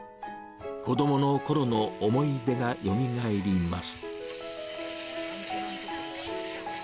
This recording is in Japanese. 子どものころの思い出がよみがえります。